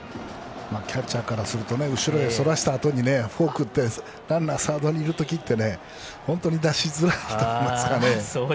キャッチャーからすると後ろにそらしたあとにフォークってランナーがサードにいる時って本当に出しづらいといいますか。